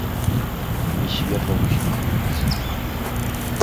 І свет вам усміхнецца.